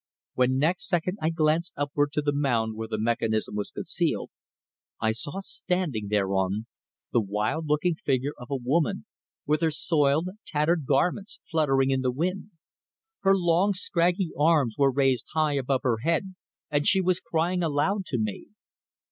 When next second I glanced upward to the mound where the mechanism was concealed, I saw standing thereon the wild looking figure of a woman with her soiled, tattered garments fluttering in the wind. Her long scraggy arms were raised high above her head, and she was crying aloud to me.